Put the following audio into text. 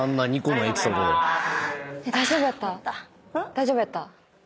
大丈夫やった？